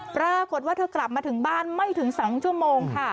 ปรากฏว่าเธอกลับมาถึงบ้านไม่ถึง๒ชั่วโมงค่ะ